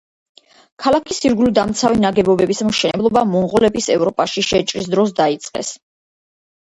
ქალაქის ირგვლივ დამცავი ნაგებობების მშენებლობა მონღოლების ევროპაში შეჭრის დროს დაიწყეს.